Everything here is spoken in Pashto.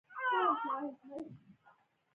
ځینې کارونه د اخروي انګېزو له مخې ترسره شوي دي.